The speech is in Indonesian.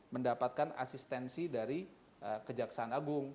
mendapatkan asistensi dari kejaksaan agung